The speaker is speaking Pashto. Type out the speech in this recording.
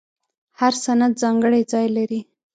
هر سند ځانګړی ځای لري.